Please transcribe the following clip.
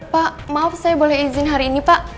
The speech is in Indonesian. pak maaf saya boleh izin hari ini pak